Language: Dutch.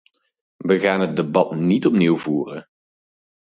We gaan het debat niet opnieuw voeren.